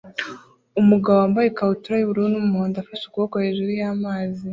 Umugabo wambaye ikabutura y'ubururu n'umuhondo afashe ukuboko hejuru y'amazi